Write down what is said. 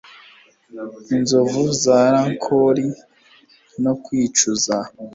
Inkovu za rancor no kwicuza